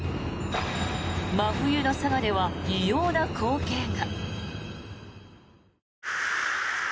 真冬の佐賀では異様な光景が。